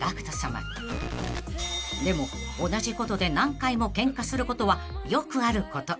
［でも同じことで何回もケンカすることはよくあること］